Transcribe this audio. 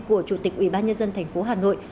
của chủ tịch ubnd tp hà nội